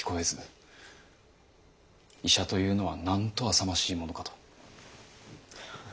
医者というのはなんとあさましいものかと。